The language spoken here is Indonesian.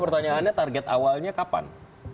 pertanyaannya target awalnya kapan